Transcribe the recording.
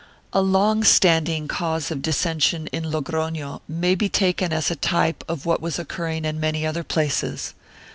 A long standing cause of dissension in Logrono may be taken as a type of what was occurring in many other places.